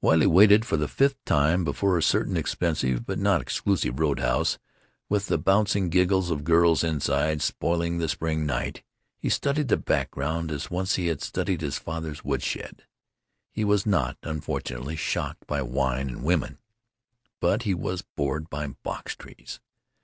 While he waited for the fifth time before a certain expensive but not exclusive roadhouse, with the bouncing giggles of girls inside spoiling the spring night, he studied the background as once he had studied his father's woodshed. He was not, unfortunately, shocked by wine and women. But he was bored by box trees.